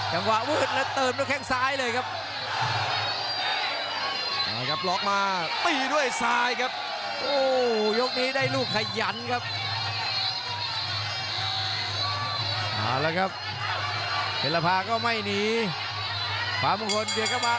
แล้วเติบให้คนอ้าว